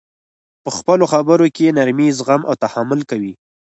په خپلو خبر کي نرمي، زغم او تحمل کوئ!